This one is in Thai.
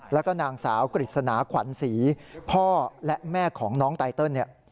แล้วก็นางสาวกฤษณาขวัญศรีพ่อและแม่ของน้องไตเติลเนี่ย